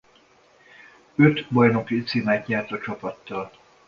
Öt bajnoki címet nyert a csapattal.